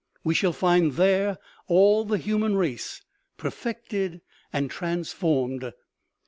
" We shall find there all the human race, per fected and transformed.